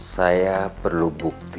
saya perlu bukti bukan janji